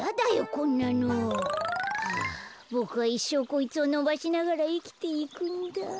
こんなの。はあボクはいっしょうこいつをのばしながらいきていくんだあ。